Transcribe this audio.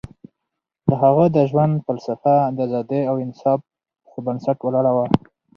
د هغه د ژوند فلسفه د ازادۍ او انصاف پر بنسټ ولاړه وه.